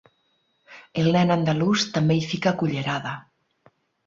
El nen andalús també hi fica cullerada.